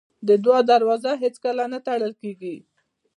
د دعا دروازه هېڅکله نه تړل کېږي.